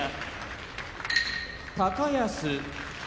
高安